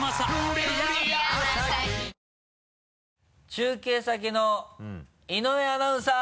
中継先の井上アナウンサー！